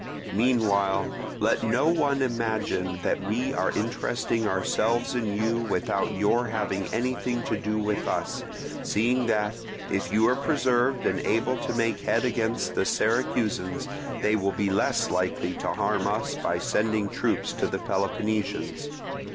Meanwhile, let no one imagine that we are interesting ourselves in you without your having anything to do with us, seeing that, if you are preserved and able to make head against the Syracusans, they will be less likely to harm us by sending troops to the Peloponnesians.